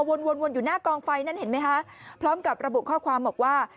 วนวนอยู่หน้ากองไฟนั่นเห็นไหมคะพร้อมกับระบุข้อความบอกว่า